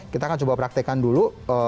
kita akan coba praktekkan dulu